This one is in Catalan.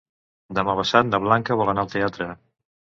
Demà passat na Blanca vol anar al teatre.